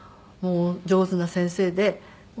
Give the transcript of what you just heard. もう上手な先生で。